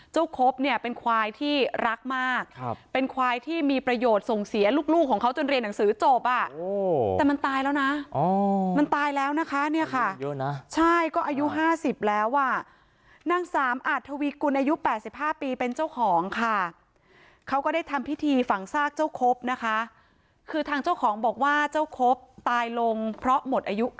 เจ้าครบเนี้ยเป็นควายที่รักมากครับเป็นควายที่มีประโยชน์ส่งเสียลูกลูกของเขาจนเรียนหนังสือจบอ่ะโอ้แต่มันตายแล้วน่ะอ๋อมันตายแล้วนะคะเนี้ยค่ะเยอะนะใช่ก็อายุห้าสิบแล้วอ่ะนั่งสามอาทวิกุลอายุแปดสิบห้าปีเป็นเจ้าของค่ะเขาก็ได้ทำพิธีฝั่งซากเจ้าครบนะคะคือทางเจ้าของบอกว่าเจ้าครบ